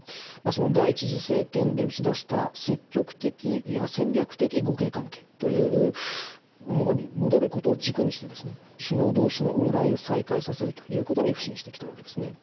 その第１次政権で打ち出した積極的、戦略的互恵関係というものに戻ることを軸にして、首脳どうしの往来を再開させるということに腐心してきたわけですね。